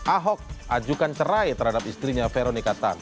ahok ajukan cerai terhadap istrinya veronica tan